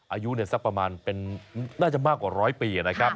อายุสักประมาณน่าจะมากกว่าร้อยปีนะครับ